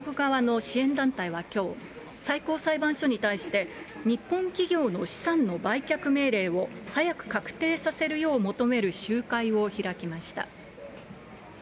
韓国のいわゆる元徴用工の裁判を巡り、原告側の支援団体はきょう、最高裁判所に対して、日本企業の資産の売却命令を早く確定させるよう求める集会を開きました。